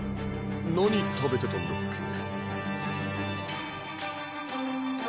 何食べてたんだっけ？